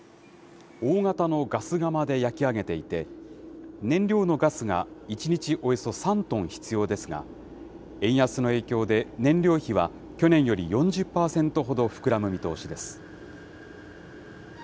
大型のガス窯で焼き上げていて、燃料のガスが１日およそ３トン必要ですが、円安の影響で燃料費は去年より４０％ほど膨らむ見通しです。